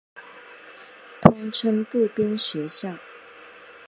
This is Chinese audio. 通称步兵学校。